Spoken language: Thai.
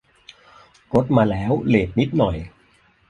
รถมาแล้ว เลตนิดหน่อย